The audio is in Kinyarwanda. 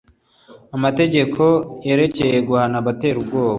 amategeko yerekeye guhana abakora iterabwoba